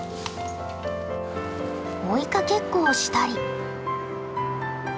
追いかけっこをしたり。